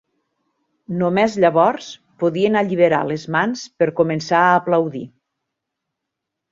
Només llavors podien alliberar les mans per començar a aplaudir.